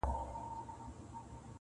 نجلۍ له شرمه پټه ساتل کيږي,